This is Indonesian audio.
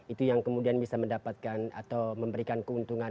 itu yang kemudian bisa mendapatkan atau memberikan keuntungan